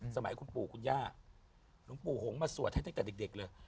สมัยคุณปู่คุณย่าหลวงปู่หงมาสวดให้ตั้งแต่เด็กเลย